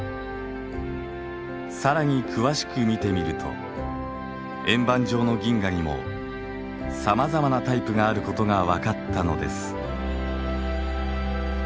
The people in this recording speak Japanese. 更に詳しく見てみると円盤状の銀河にもさまざまなタイプがあることがわかったのです。